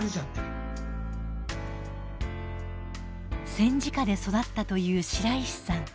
戦時下で育ったという白石さん。